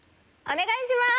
お願いします。